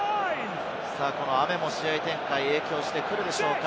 雨も試合展開に影響してくるでしょうか？